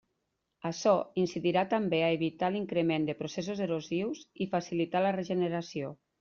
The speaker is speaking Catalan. Açò incidirà també a evitar l'increment de processos erosius i facilitar la regeneració.